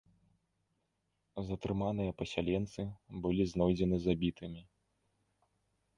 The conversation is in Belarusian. Затрыманыя пасяленцы, былі знойдзены забітымі.